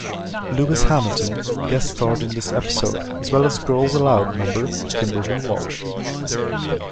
Lewis Hamilton guest-starred in this episode, as well as Girls Aloud member Kimberley Walsh.